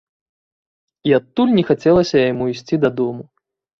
І адтуль не хацелася яму ісці дадому.